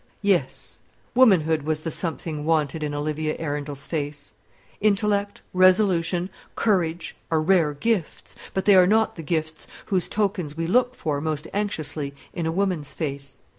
Yes; womanhood was the something wanted in Olivia Arundel's face. Intellect, resolution, courage, are rare gifts; but they are not the gifts whose tokens we look for most anxiously in a woman's face.